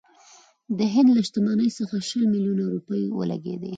د هند له شتمنۍ څخه شل میلیونه روپۍ ولګېدې.